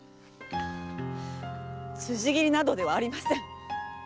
辻斬りなどではありません！